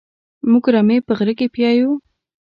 موږ رمې په غره کې پيايو.